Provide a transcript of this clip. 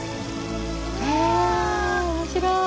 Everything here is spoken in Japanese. へえ面白い。